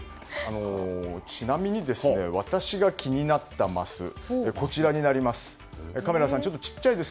ちなみに、私が気になったマスはこちらです。